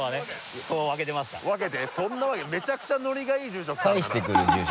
めちゃくちゃノリがいい住職さんだな。